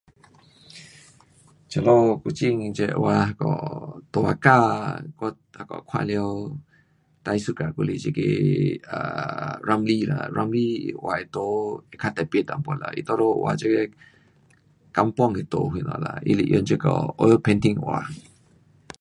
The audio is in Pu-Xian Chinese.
这里古晋这画那个图画家我那个看了最 suka 的还是这个 [um]Ramli 啦，Ramli 画的图较特别一点啦。他多数图画这个 Kampung 的图什么啦。他是用这个 Oil Painting 画。